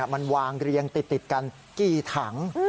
มันวางเรียงติดกันกี่ถัง